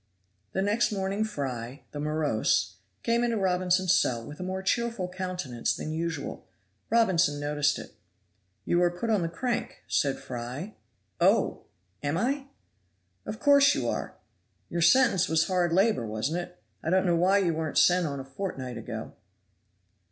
The next morning Fry, the morose, came into Robinson's cell with a more cheerful countenance than usual. Robinson noticed it. "You are put on the crank," said Fry. "Oh! am I?" "Of course you are. Your sentence was hard labor, wasn't it? I don't know why you weren't sent on a fortnight ago."